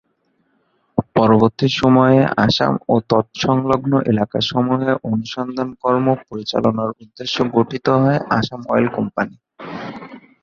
পরবর্তী সময়ে আসাম ও তৎসংলগ্ন এলাকাসমূহে অনুসন্ধানকর্ম পরিচালনার উদ্দেশ্যে গঠিত হয় আসাম অয়েল কোম্পানি।